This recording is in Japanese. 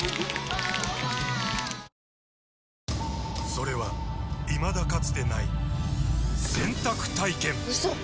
それはいまだかつてない洗濯体験‼うそっ！